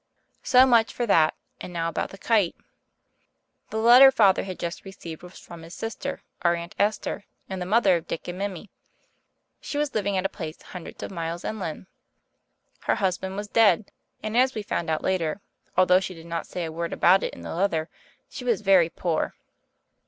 So much for that; and now about the kite. The letter Father had just received was from his sister, our Aunt Esther and the mother of Dick and Mimi. She was living at a place hundreds of miles inland. Her husband was dead and, as we found out later, although she did not say a word about it in the letter, she was very poor.